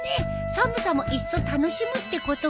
寒さもいっそ楽しむってことか。